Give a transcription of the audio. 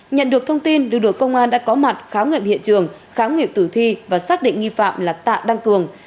nhận được thông tin lực lượng công an đã có mặt khám nghiệm hiện trường khám nghiệm tử thi và xác định nghi phạm là tạ đăng cường